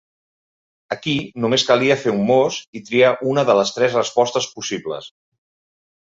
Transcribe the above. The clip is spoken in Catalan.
Aquí només calia fer un mos i triar una de les tres respostes possibles.